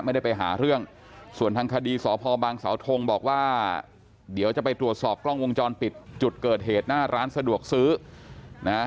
ไม่ได้ไปหาเรื่องส่วนทางคดีสพบางสาวทงบอกว่าเดี๋ยวจะไปตรวจสอบกล้องวงจรปิดจุดเกิดเหตุหน้าร้านสะดวกซื้อนะฮะ